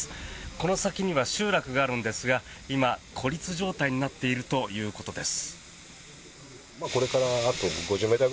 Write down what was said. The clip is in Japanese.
この先には集落があるんですが今、孤立状態になっているということです。